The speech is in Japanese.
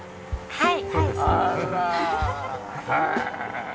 はい。